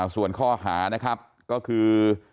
ส่วนข้อหานะครับก็คือ